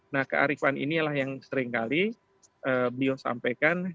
nah kearifan inilah yang seringkali beliau sampaikan